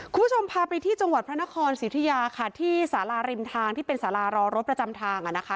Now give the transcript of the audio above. คุณผู้ชมพาไปที่จังหวัดพระนครสิทธิยาค่ะที่สาราริมทางที่เป็นสารารอรถประจำทางอ่ะนะคะ